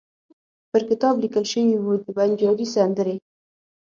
پر کتاب لیکل شوي وو: د بنجاري سندرې.